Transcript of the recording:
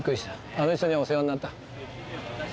あの人にはお世話になった。